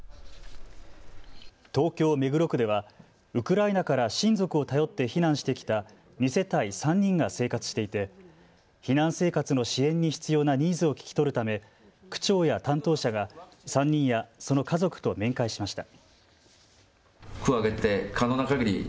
東京・目黒区ではウクライナから親族を頼って避難してきた２世帯３人が生活していて避難生活の支援に必要なニーズを聞き取るため区長や担当者が３人やその家族と面会しました。